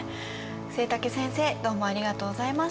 季武先生どうもありがとうございました。